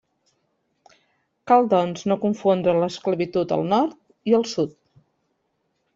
Cal, doncs, no confondre l'esclavitud al Nord i al Sud.